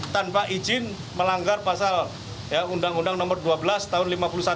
tanpa izin melanggar pasal undang undang nomor dua belas tahun seribu sembilan ratus lima puluh satu